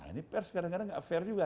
ini pers kadang kadang tidak adil juga